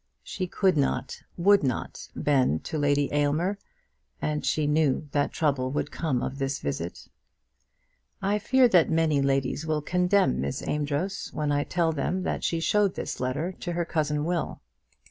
She could not, would not, bend to Lady Aylmer, and she knew that trouble would come of this visit. I fear that many ladies will condemn Miss Amedroz when I tell them that she showed this letter to her cousin Will.